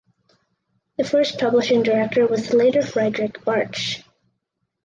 The first publishing director was the later Friedrich Bartsch.